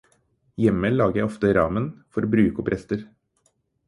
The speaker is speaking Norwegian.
Hjemme lager jeg ofte ramen for å bruke opp rester.